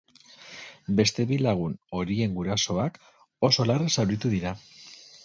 Beste bi lagun, horien gurasoak, oso larri zauritu dira.